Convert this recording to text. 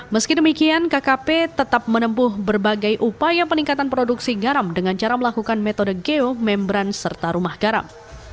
meski demikian kkp tetap menempuh berbagai upaya peningkatan produksi garam dengan cara melakukan metode geo membran serta rumah garam